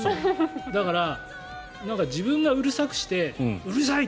だから、自分がうるさくしてうるさい！